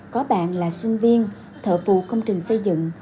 có bạn là sinh viên thợ vụ công trình xây dựng